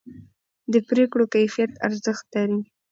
د پرېکړو کیفیت ارزښت لري